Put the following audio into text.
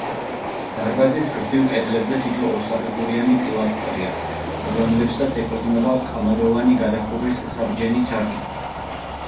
დარბაზის გრძივ კედლებზე თითო ორსაფეხურიანი პილასტრია, რომლებსაც ეყრდნობა კამაროვანი გადახურვის საბჯენი თაღი.